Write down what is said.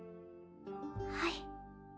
はい。